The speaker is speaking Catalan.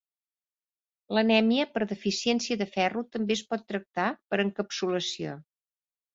L’anèmia per deficiència de ferro també es pot tractar per encapsulació.